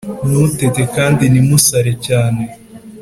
ntutete kandi ntimusare cyane